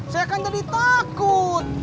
saya kan jadi takut